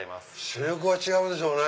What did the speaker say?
視力は違うでしょうね。